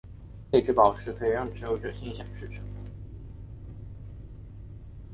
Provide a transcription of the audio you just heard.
泪之宝石可以让持有者心想事成。